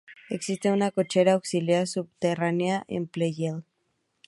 Existe una cochera auxiliar subterránea en Pleyel.